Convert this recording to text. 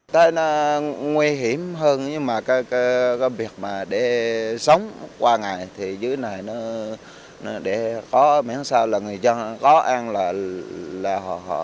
tới nó nguy hiểm hơn nhưng mà cái việc mà để sống qua ngày thì dưới này nó để có miễn sao là người dân có ăn là họ